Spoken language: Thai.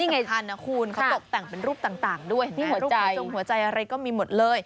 นี่ไงคุณเขาตกแต่งเป็นรูปต่างต่างด้วยนี่หัวใจหัวใจอะไรก็มีหมดเลย